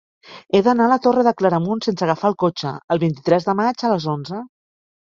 He d'anar a la Torre de Claramunt sense agafar el cotxe el vint-i-tres de maig a les onze.